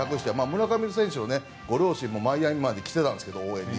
村上選手のご両親もマイアミまで来てたんですけど応援に。